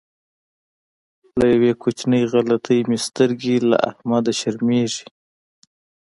له یوې کوچنۍ غلطۍ مې سترګې له احمده شرمېږي.